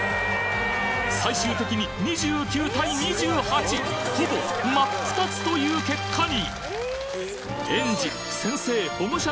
最終的に２９対２８ほぼ真っ二つという結果に！